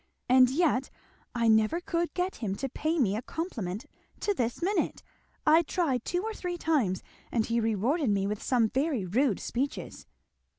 And yet I never could get him to pay me a compliment to this minute, I tried two or three times, and he rewarded me with some very rude speeches."